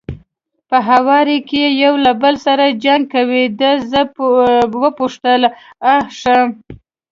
په هواره کې یو له بل سره جنګ کوي، ده زه وپوښتل: آ ښه.